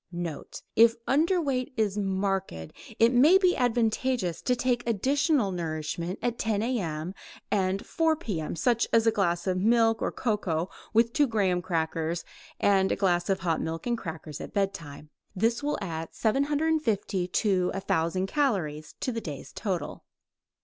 Note: If underweight is marked, it may be advantageous to take additional nourishment at 10 A.M. and 4 P.M., such as a glass of milk or cocoa with 2 graham crackers and a glass of hot milk and crackers at bedtime. This will add 750 to 1000 calories to the day's total.